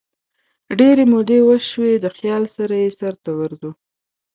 ډیري مودې وشوي دخیال سره یې سرته ورځو